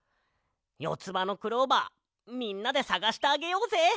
よつばのクローバーみんなでさがしてあげようぜ！